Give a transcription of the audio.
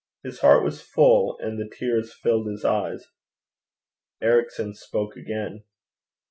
His heart was full, and the tears filled his eyes. Ericson spoke again.